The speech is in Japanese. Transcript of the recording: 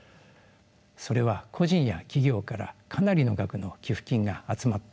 それは個人や企業からかなりの額の寄付金が集まったということです。